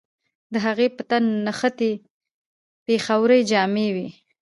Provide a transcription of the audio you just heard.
د هغې په تن نخي پېښورۍ جامې وې